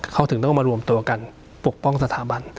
เขาถึงต้องมารวมตัวกันปกป้องสถาบัน